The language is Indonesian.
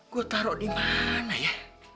gw taro dimana ya